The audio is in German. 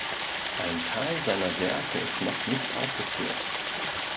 Ein Teil seiner Werke ist noch nicht aufgeführt.